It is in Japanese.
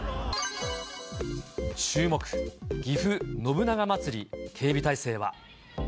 注目、ぎふ信長まつり、警備態勢は？